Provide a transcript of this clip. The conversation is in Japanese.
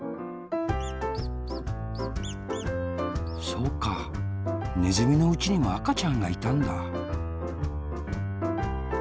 そうかねずみのおうちにもあかちゃんがいたんだ。